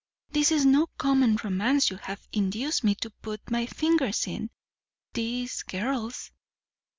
This is no common romance you have induced me to put my fingers in. These girls!